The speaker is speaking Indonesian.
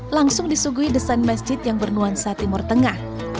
langsung disuguhi desain masjid yang bernuansa timur tengah